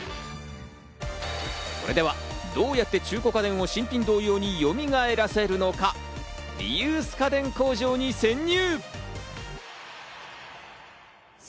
それでは、どうやって中古家電を新品同様によみがえらせるのか、リユース家電工場に潜入。